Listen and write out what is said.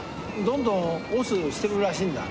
どんどん押忍してるらしいんだ。